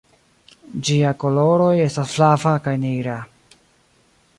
Gia koloroj estas flava kaj nigra.